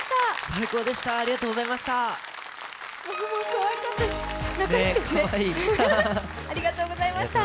最高でした、ありがとうございました。